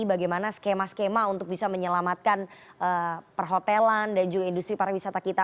bagaimana skema skema untuk bisa menyelamatkan perhotelan dan juga industri pariwisata kita